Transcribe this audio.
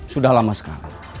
sudah lama sekali